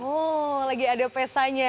oh lagi ada pesanya